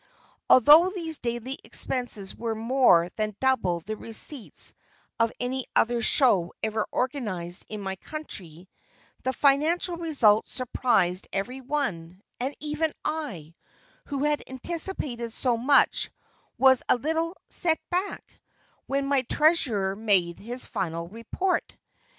Although these daily expenses were more than double the receipts of any other show ever organized in any country, the financial result surprised every one, and even I, who had anticipated so much, was a little "set back" when my treasurer made his final report.